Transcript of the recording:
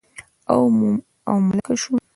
او ملکه شوم